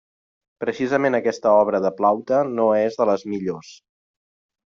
Precisament aquesta obra de Plaute no és de les millors.